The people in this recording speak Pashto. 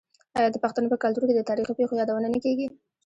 آیا د پښتنو په کلتور کې د تاریخي پیښو یادونه نه کیږي؟